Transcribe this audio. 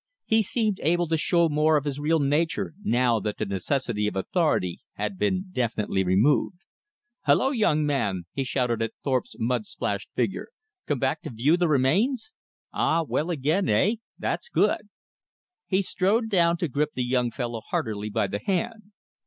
He seemed able to show more of his real nature now that the necessity of authority had been definitely removed. "Hullo, young man," he shouted at Thorpe's mud splashed figure, "come back to view, the remains? All well again, heigh? That's good!" He strode down to grip the young fellow heartily by the hand.